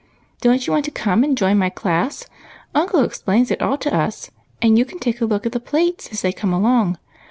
" Don't you want to come and join my class ? uncle explains it all to us, and you can take a look at the plates as they come along.